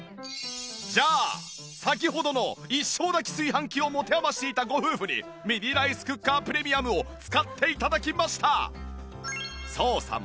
じゃあ先ほどの一升炊き炊飯器を持て余していたご夫婦にミニライスクッカープレミアムを使って頂きました！